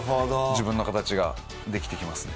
自分の形が出来てきますね。